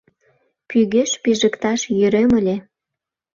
Пӱгеш пижыкташ йӧрем ыле.